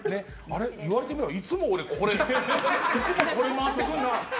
言われてみればいつも俺、これ回ってくんな。